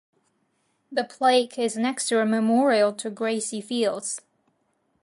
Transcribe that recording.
The plaque is next to a memorial to Gracie Fields.